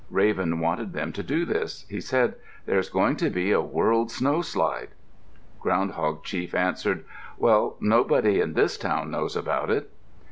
Raven wanted them to do this. He said, "There is going to be a world snowslide." Ground hog chief answered, "Well, nobody in this town knows about it."